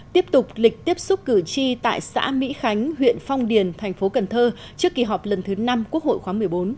tiếp tục lịch tiếp xúc cử tri tại xã mỹ khánh huyện phong điền thành phố cần thơ trước kỳ họp lần thứ năm quốc hội khóa một mươi bốn